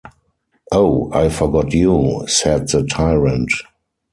“Oh, I forgot you,” said the tyrant.